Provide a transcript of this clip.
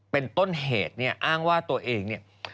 เป็นต้นเหตุอ้างว่าตัวเอง